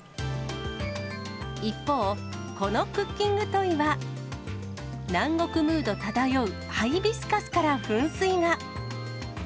一方、このクッキングトイは、南国ムード漂うハイビスカスから噴水が。